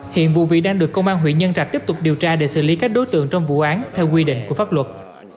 hiện vụ vị đang được công an huyện nhân trạch tiếp tục điều tra để xử lý các đối tượng trong vụ án theo quy định của pháp luật